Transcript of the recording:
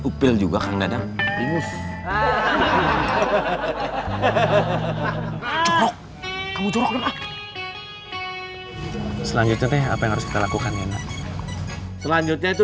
upil juga kang dadang ingus corok selanjutnya apa yang harus kita lakukan selanjutnya itu